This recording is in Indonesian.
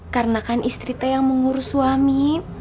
karena kan istri teh yang mengurus suami